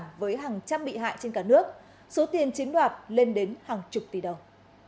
tài sản với hàng trăm bị hại trên cả nước số tiền chiếm đoạt lên đến hàng chục tỷ đồng